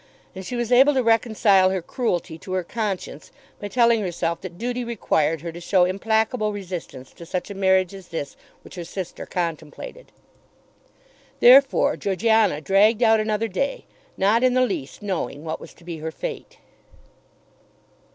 And she was able to reconcile her cruelty to her conscience by telling herself that duty required her to show implacable resistance to such a marriage as this which her sister contemplated. Therefore Georgiana dragged out another day, not in the least knowing what was to be her fate.